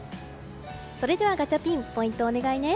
それではガチャピンポイントをお願いね。